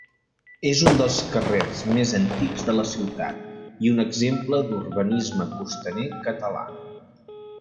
És un dels carrers més antics de la ciutat i un exemple d'urbanisme costaner català.